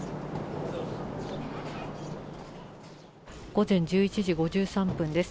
午前１１時５３分です。